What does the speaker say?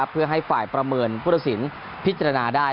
เพื่อให้ฝ่ายประเมินผู้ตัดสินพิจารณาได้